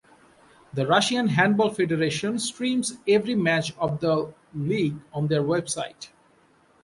The Russian Handball Federation streams every match of the league on their website.